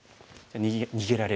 逃げられる。